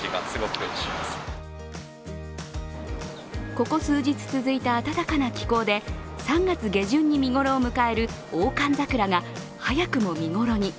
ここ数日続いた暖かな気候で３月下旬に見頃を迎える大寒桜が早くも見頃に。